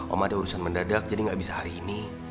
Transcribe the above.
om ada urusan mendadak jadi gak bisa hari ini